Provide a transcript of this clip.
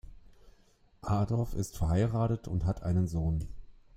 Adorf ist verheiratet und hat einen Sohn.